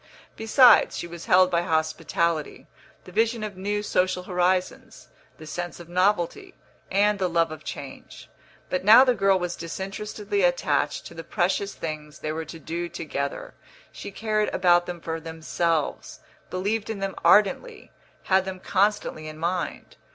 Besides, she was held by hospitality, the vision of new social horizons, the sense of novelty, and the love of change. But now the girl was disinterestedly attached to the precious things they were to do together; she cared about them for themselves, believed in them ardently, had them constantly in mind.